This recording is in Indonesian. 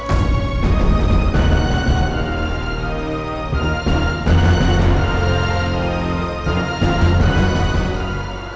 tetapi golongan darah saya ada